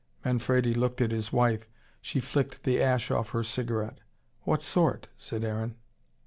Manfredi looked at his wife. She flicked the ash off her cigarette. "What sort?" said Aaron.